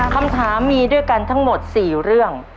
คำถามมีด้วยกันทั้งหมด๔เรื่อง